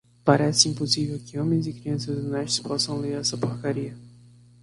Parece impossível que homens e crianças honestos possam ler essa porcaria.